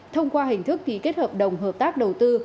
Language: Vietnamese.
thông qua hình thức ký kết hợp đồng hợp tác đầu tư